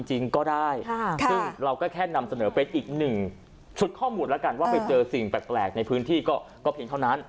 จริงก็ได้ซึ่งเราก็แค่นำเสนอเป็นอีกหนึ่งชุดข้อมูลแล้วกันว่าไปเจอสิ่งแปลกในพื้นที่ก็เพียงเท่านั้น